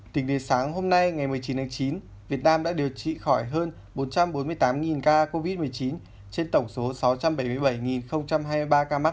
tính đến sáng hôm nay ngày một mươi chín tháng chín việt nam đã điều trị khỏi hơn một trăm bốn mươi tám ca covid một mươi chín trên tổng số sáu trăm bảy mươi bảy hai mươi ba ca mắc